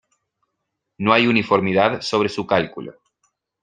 No hay uniformidad sobre su cálculo.